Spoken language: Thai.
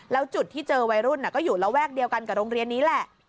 แล้วจุดที่เจอวัยรุ่นก็อยู่ระแวกเดียวกันกับโรงเรียนนี้แหละ